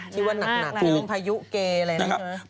ที่ว่านักภายุเกลไง